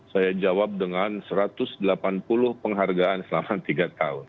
saya jawab dengan satu ratus delapan puluh penghargaan selama tiga tahun